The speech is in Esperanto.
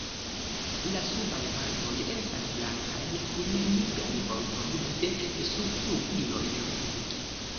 La subaj partoj estas blankaj, kun nigraj bordoj de subflugiloj.